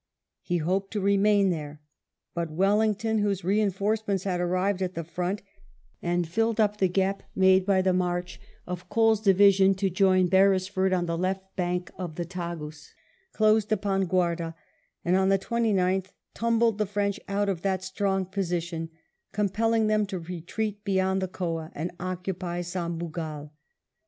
He hoped to remain there, but Wellington, whose reinforcements had arrived at the front, and filled up the gap made by the march of VII BECKWITH A T SABUGAL 147 Cole's division to join Beresford on the left bank of the Tagus, closed upon Guarda, and on the 29th tumbled the French out of that strong position, compelling them to retreat beyond the Coa and occupy Sabugal.